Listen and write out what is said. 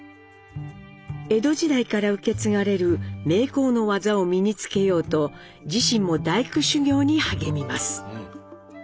江戸時代から受け継がれる名工の技を身に付けようと自身も大工修業に励みます。